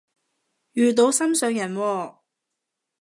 遇到心上人喎？